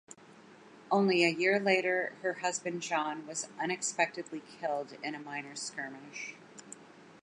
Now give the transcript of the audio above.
Only a year later, her husband John was unexpectedly killed in a minor skirmish.